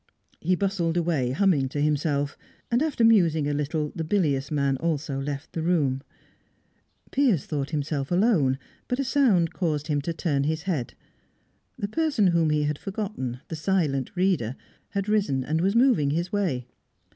He bustled away, humming to himself; and, after musing a little, the bilious man also left the room. Piers thought himself alone, but a sound caused him to turn his head; the person whom he had forgotten, the silent reader, had risen and was moving his way.